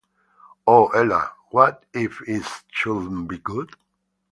Oh, Ella, what if it shouldn’t be good!